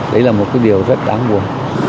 đấy là một cái điều rất đáng buồn